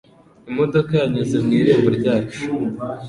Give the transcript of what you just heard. Imodoka yanyuze mu irembo ryacu